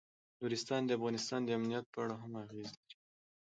نورستان د افغانستان د امنیت په اړه هم اغېز لري.